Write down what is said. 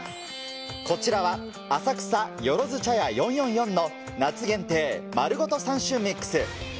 こちらは、浅草よろず茶屋４４４の夏限定、丸ごと３種ミックス。